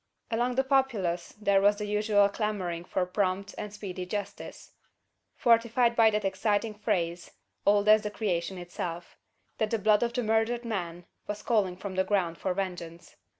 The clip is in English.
Among the populace there was the usual clamouring for prompt and speedy justice; fortified by that exciting phrase, old as the creation itself: "that the blood of the murdered man was calling from the ground for vengeance."